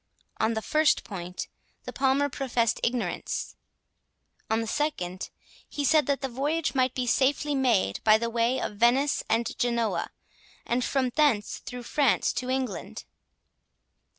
On the first point, the Palmer professed ignorance; on the second, he said that the voyage might be safely made by the way of Venice and Genoa, and from thence through France to England.